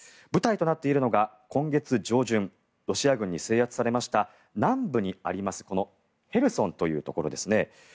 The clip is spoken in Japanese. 舞台となっているのが今月上旬ロシア軍に制圧されました南部にあります、このヘルソンというところですね。